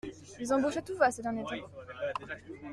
Ils embauchent à tout va ces derniers temps.